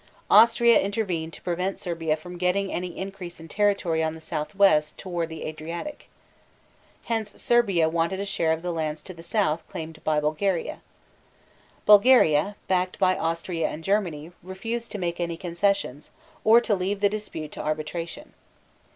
Austria intervened to prevent Serbia from getting any increase in territory on the southwest, toward the Adriatic. Hence Serbia wanted a share of the lands to the south, claimed by Bulgaria. Bulgaria, backed by Austria and Germany, refused to make any concessions, or to leave the dispute to arbitration.